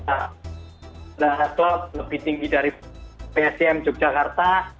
sudah selesai lebih tinggi dari psim jogjakarta